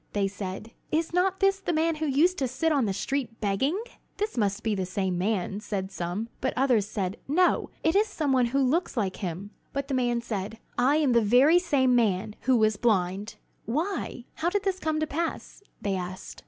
They said: "Is not this the man who used to sit on the street begging?" "This must be the same man," said some; but others said: "No, it is some one who looks like him." But the man said, "I am the very same man who was blind!" "Why, how did this come to pass?" they asked.